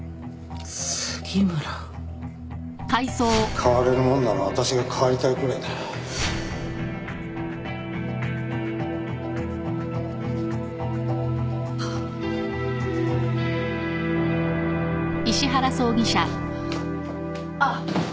代われるもんなら私が代わりたいくらいだあっ秋山さん。